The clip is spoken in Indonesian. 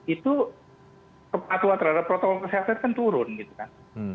itu kepatuhan terhadap protokol kesehatan kan turun gitu kan